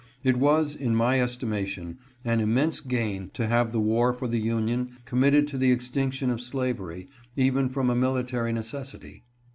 It was, in my estimation, an immense gain to have the war for the Union committed to the extinction of slavery, even from a military necessity.